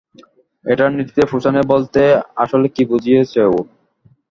এটারনিটিতে পৌছানো বলতে আসলে কি বুঝিয়েছে ও?